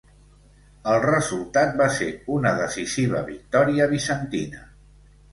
El resultat va ser una decisiva victòria bizantina.